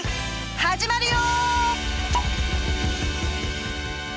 始まるよ！